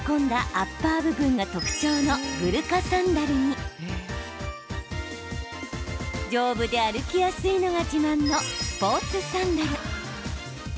アッパー部分が特徴のグルカサンダルに丈夫で歩きやすいのが自慢のスポーツサンダル。